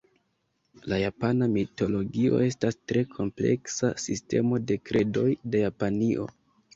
La japana mitologio estas tre kompleksa sistemo de kredoj de Japanio.